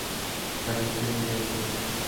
Falleció muy anciano.